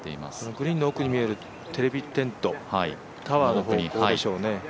グリーンの奥に見えるテレビテント、タワーの方向でしょうね。